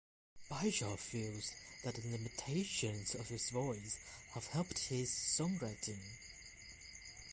Bishop feels that the limitations of his voice have helped his songwriting.